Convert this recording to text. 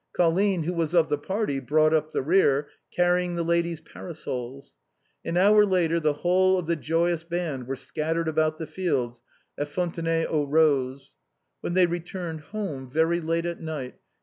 Colline, who was of the party, brought up the rear, carrying the ladies' parasols. An hour later the whole of the joyous band were scattered about the fields at Fontenay aux Roses. When they returned home, very late at night.